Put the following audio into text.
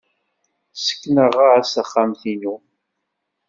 Ssekneɣ-as taxxamt-inu.